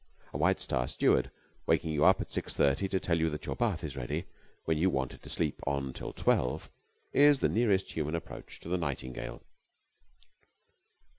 A White Star steward, waking you up at six thirty, to tell you that your bath is ready, when you wanted to sleep on till twelve, is the nearest human approach to the nightingale.